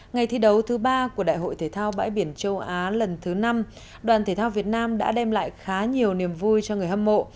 ngày thi đấu thứ ba của đại hội thể thao bãi biển châu á lần thứ năm đoàn thể thao việt nam đã đem lại khá nhiều niềm vui cho người hâm mộ